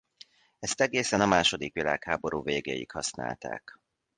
Ezt egészen a második világháború végéig használták.